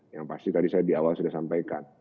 yang pasti tadi saya di awal sudah sampaikan